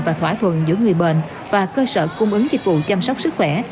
và thỏa thuận giữa người bệnh và cơ sở cung ứng dịch vụ chăm sóc sức khỏe